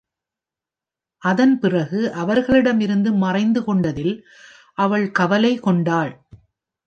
அதன் பிறகு அவர்களிடமிருந்து மறைந்துகொண்டதில் அவள் கவலை கொண்டாள்.